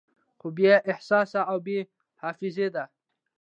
خو بې احساسه او بې حافظې ده